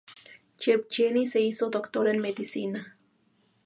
Yevgeny se hizo Doctor en Medicina.